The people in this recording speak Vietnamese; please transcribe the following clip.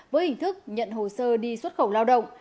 với hình thức nhận hồ sơ đi xuất khẩu lao động